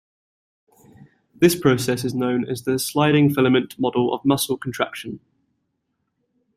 This process is known as the sliding filament model of muscle contraction.